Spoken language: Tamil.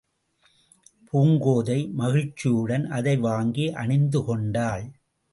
பூங்கோதை மகிழ்ச்சியுடன் அதை வாங்கி அணிந்து கொண்டாள்.